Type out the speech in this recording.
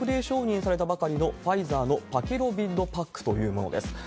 承認されたばかりの、ファイザーのパキロビッドパックというものです。